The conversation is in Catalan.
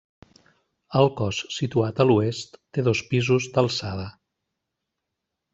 El cos situat a l'oest té dos pisos d'alçada.